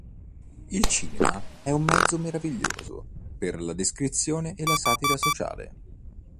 Il cinema è “un mezzo meraviglioso per la descrizione e la satira sociale”.